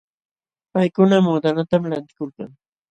Paykuna muudanatam lantikulkan.